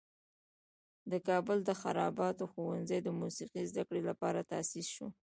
د کابل د خراباتو ښوونځی د موسیقي زده کړې لپاره تاسیس شو.